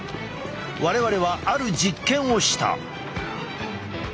我々はある実験をした。